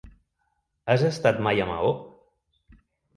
Has estat mai a Maó?